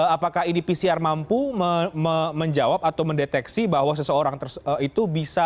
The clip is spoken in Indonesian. apakah ini pcr mampu menjawab atau mendeteksi bahwa seseorang itu bisa